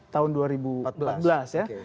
tahun dua ribu empat belas ya